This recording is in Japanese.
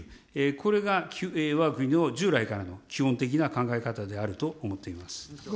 これがわが国の従来からの基本的な考え方であると思っております。